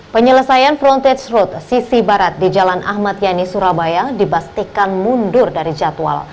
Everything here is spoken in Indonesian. penyelesaian frontage road sisi barat di jalan ahmad yani surabaya dibastikan mundur dari jadwal